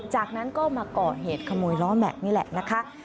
จากนั้นก็มาก่อเหตุขโมยล้อแม็กซ์นี่แหละนะคะ